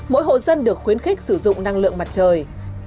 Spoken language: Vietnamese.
mỗi hộ dân được khuyến khích sử dụng năng lượng mặt trời